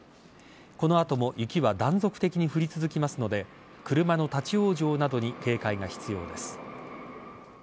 この後も雪は断続的に降り続きますので車の立ち往生などに警戒が必要です。